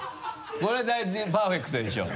これはパーフェクトでしょ。